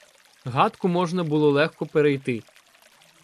Гатку можна було легко перейти.